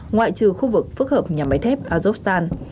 ngoại trừ khu vực phức hợp nhà máy thép azokstan